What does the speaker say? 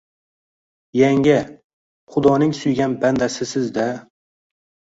Yanga, xudoning suygan bandasisiz-da